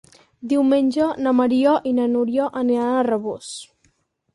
Diumenge na Maria i na Núria aniran a Rabós.